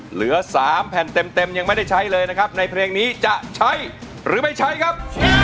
เหลือ๓แผ่นเต็มยังไม่ได้ใช้เลยนะครับในเพลงนี้จะใช้หรือไม่ใช้ครับ